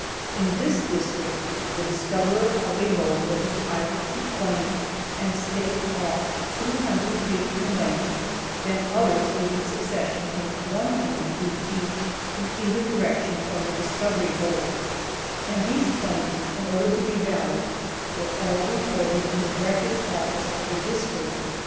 In this district the discoverer of a lode was entitled to claim and stake off 200 feet in length, then others could in succession take 100 feet each, in either direction from the discovery hole, and these claims, in order to be valid, were all recorded in the record office of the district.